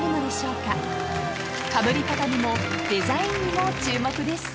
［かぶり方にもデザインにも注目です］